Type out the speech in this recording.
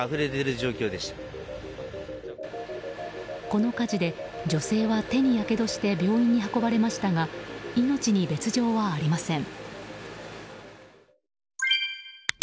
この火事で女性は手にやけどして病院に運ばれましたが命に別条はありません。